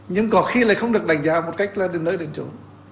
nhưng có khi lại không được đánh giá một cách là đến nơi đến chỗ